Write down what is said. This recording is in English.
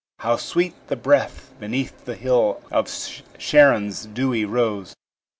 How sweet the breath beneath the hill Of Sharon's dewy rose!